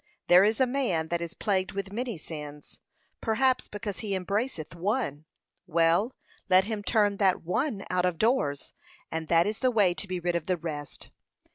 There is a man that is plagued with many sins, perhaps because he embraceth one: well, let him turn that one out of doors, and that is the way to be rid of the rest.